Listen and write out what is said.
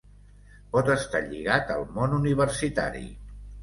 Pot estar lligat al món universitari.